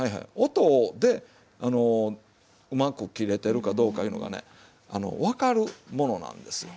音でうまく切れてるかどうかいうのがね分かるものなんですよ。